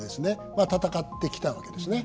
まあ闘ってきたわけですね。